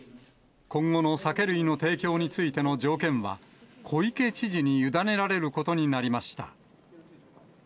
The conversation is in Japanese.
今後の酒類の提供についての条件は、小池知事に委ねられることになりました。